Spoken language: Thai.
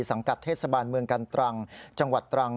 กัดเทศบาลเมืองกันตรังจังหวัดตรัง